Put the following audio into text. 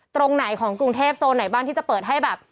ตรงไหนของกรุงเทพโซนไหนบ้างที่จะเปิดให้แบบ